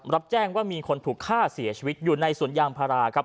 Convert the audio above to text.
รับแจ้งว่ามีคนถูกฆ่าเสียชีวิตอยู่ในสวนยางพาราครับ